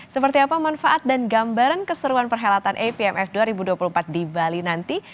seperti apa manfaat dan gambaran keseruan perhelatan apmf dua ribu dua puluh empat di bali nanti